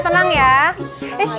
eh jangan berantem